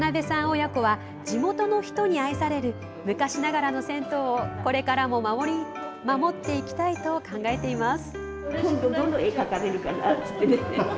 親子は地元の人に愛される昔ながらの銭湯をこれからも守っていきたいと考えています。